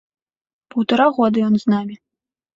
Паўтара года ён з намі.